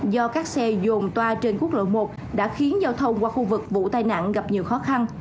do các xe dồn toa trên quốc lộ một đã khiến giao thông qua khu vực vụ tai nạn gặp nhiều khó khăn